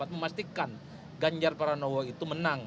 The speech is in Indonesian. memastikan ganjar pranowo itu menang